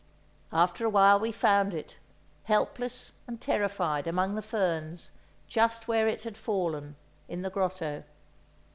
After a while we found it, helpless and terrified, among the ferns, just where it had fallen, in the grotto.